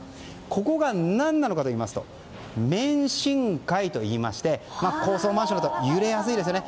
ここが何なのかといいますと免震階といいまして高層マンションだと揺れやすいですよね。